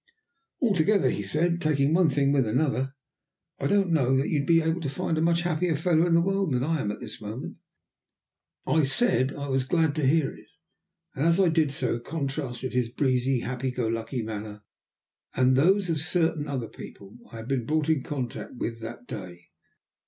"Altogether," he said, "taking one thing with another, I don't know that you'd be able to find a much happier fellow in the world than I am at this moment." I said I was glad to hear it, and as I did so contrasted his breezy, happy go lucky manner with those of certain other people I had been brought in contact with that day.